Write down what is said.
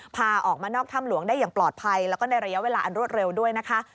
พาออกมานอกถ้ำหลวงได้อย่างปลอดภัยแล้วก็ในระยะเวลาอันรวดเร็วด้วยนะคะ